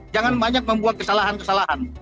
jangan banyak membuat kesalahan kesalahan